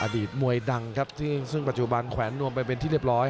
ตมวยดังครับซึ่งปัจจุบันแขวนนวมไปเป็นที่เรียบร้อย